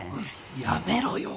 やめろよ！